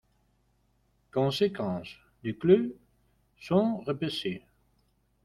Conséquence, deux clubs sont repêchés.